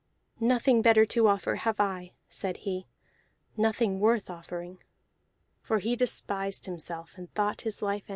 "Nothing better to offer have I," said he. "Nothing worth offering." For he despised himself, and thought his life ended.